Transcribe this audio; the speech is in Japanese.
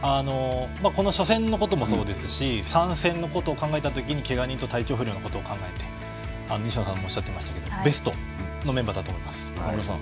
初戦もそうですし３戦のことを考えたらけが人と体調不良も考えて西野さんおっしゃっていましたがベストのメンバーだと思います。